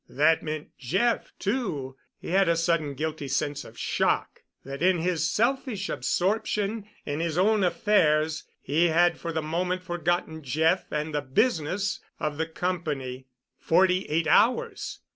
That meant Jeff, too. He had a sudden guilty sense of shock, that in his selfish absorption in his own affairs he had for the moment forgotten Jeff and the business of the Company. Forty eight hours!